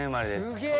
すげえ！